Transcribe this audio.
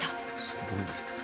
すごいですね。